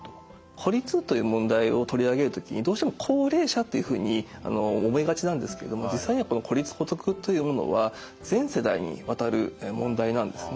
孤立という問題を取り上げる時にどうしても高齢者っていうふうに思いがちなんですけども実際にはこの孤立・孤独というものは全世代にわたる問題なんですね。